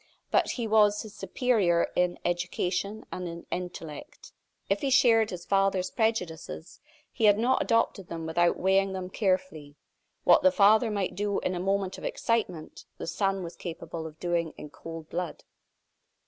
But he was his superior in education and in intellect. If he shared his father's prejudices, he had not adopted them without weighing them carefully. What the father might do in a moment of excitement, the son was capable of doing in cold blood.